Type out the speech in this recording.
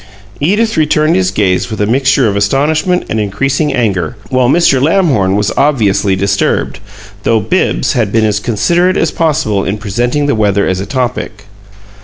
Edith returned his gaze with a mixture of astonishment and increasing anger, while Mr. Lamhorn was obviously disturbed, though Bibbs had been as considerate as possible in presenting the weather as a topic.